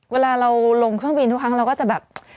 เวลาเราลงเครื่องบินทุกครั้งเราก็จะแบบ